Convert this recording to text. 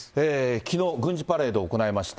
きのう、軍事パレードを行いました。